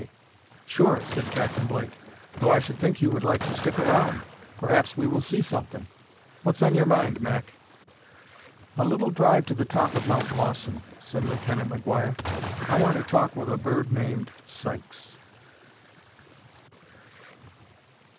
K." "Sure," said Captain Blake, "though I should think you would like to stick around. Perhaps we will see something. What's on your mind, Mac?" "A little drive to the top of Mount Lawson," said Lieutenant McGuire. "I want to talk to a bird named Sykes."